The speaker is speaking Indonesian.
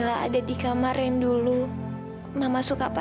jadi bisa problems yang ada disana kecil kecil